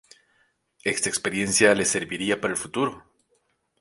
Esta experiencia le serviría para el futuro.